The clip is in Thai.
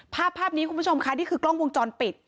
ภาพภาพนี้คุณผู้ชมค่ะนี่คือกล้องวงจรปิด